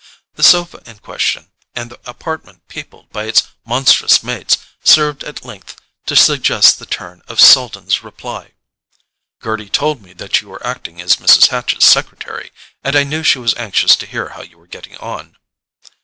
The sofa in question, and the apartment peopled by its monstrous mates, served at length to suggest the turn of Selden's reply. "Gerty told me that you were acting as Mrs. Hatch's secretary; and I knew she was anxious to hear how you were getting on."